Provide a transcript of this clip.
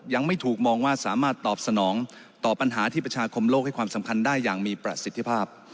ยังไม่ถูกมองว่าสามารถตอบสนองต่อปัญหาที่ประชาคมโลกให้ความสำคัญได้อย่างมีประสิทธิภาพ